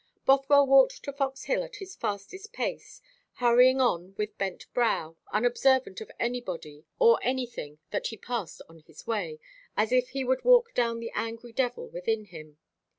Bothwell walked to Fox Hill at his fastest pace, hurrying on with bent brow, unobservant of anybody or anything that he passed on his way, as if he would walk down the angry devil within him.